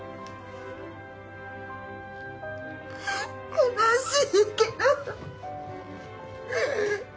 悲しいけど。